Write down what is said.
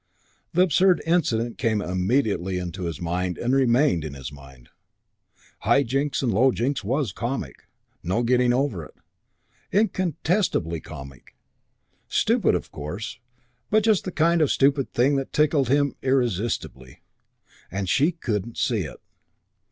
The absurd incident came immediately into his mind and remained in his mind. High Jinks and Low Jinks was comic. No getting over it. Incontestably comic. Stupid, of course, but just the kind of stupid thing that tickled him irresistibly. And she couldn't see it.